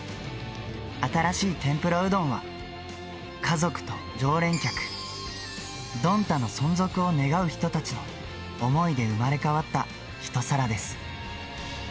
新しい天ぷらうどんは、家族と常連客、どんたの存続を願う人たちの想いで生まれ変わった一皿です。